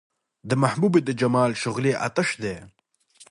د محبوبې د جمال شغلې اۤتش دي